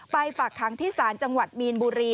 ฝากค้างที่ศาลจังหวัดมีนบุรี